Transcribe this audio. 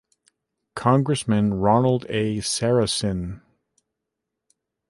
Congressman Ronald A. Sarasin.